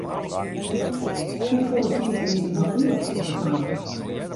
Hoefolle tiid is der noch oer op 'e timer?